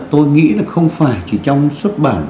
tôi nghĩ là không phải chỉ trong xuất bản